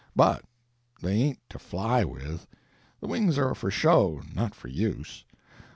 But they ain't to fly with! The wings are for show, not for use.